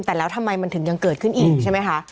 แต่แล้วทำไมมันถึงยังเกิดขึ้นอีกใช่ไหมคะ